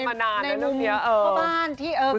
ของบ้าน